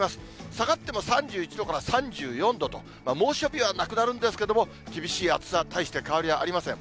下がっても３１度から３４度と、猛暑日はなくなるんですけども、厳しい暑さ、たいして変わりはありません。